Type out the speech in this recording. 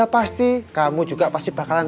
pak rt pian